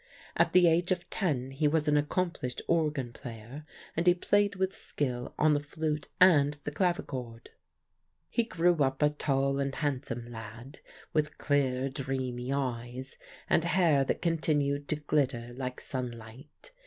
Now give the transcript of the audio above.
At the age of ten he was an accomplished organ player, and he played with skill on the flute and the clavichord. "He grew up a tall and handsome lad, with clear, dreamy eyes, and hair that continued to glitter like sunlight.